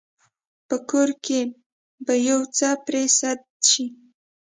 په کور کې به يو څه پرې سد شي.